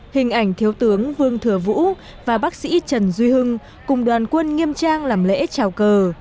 hình ảnh thiếu tướng vương thừa vũ và bác sĩ trần duy hưng cùng đoàn quân nghiêm trang làm lễ trào cờ